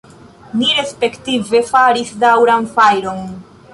Ni respektive faris daŭran fajron.